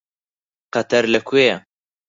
قەتەر لەکوێیە؟